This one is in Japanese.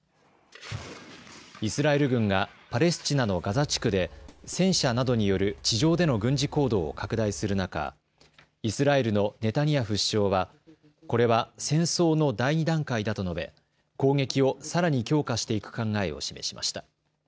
イスラエル軍がパレスチナのガザ地区で戦車などによる地上での軍事行動を拡大する中、イスラエルのネタニヤフ首相はこれは戦争の第２段階だと述べ攻撃をさらに強化していく考えを示しました。